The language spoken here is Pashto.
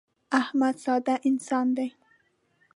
احمد ساده انسان دی.